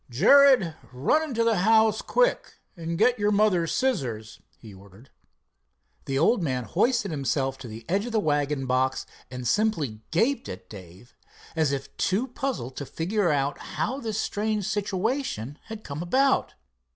"Jared, run into the house, quick, and get your mother's scissors," he ordered. The old man hoisted himself to the edge of the wagon box, and simply gaped at Dave, as if too puzzled to figure out how his strange situation had come about.